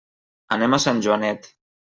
Anem a Sant Joanet.